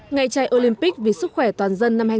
ngày chạy olympic vì sức khỏe toàn dân năm hai nghìn một mươi chín